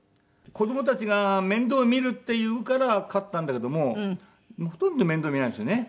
子どもたちが面倒見るって言うから飼ったんだけどもほとんど面倒見ないんですよね。